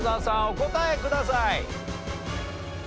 お答えください。